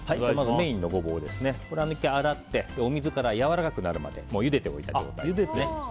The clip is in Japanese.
メインのゴボウを１回洗ってお水から、やわらかくなるまでゆでておいた状態ですね。